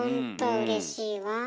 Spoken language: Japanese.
うれしいわ。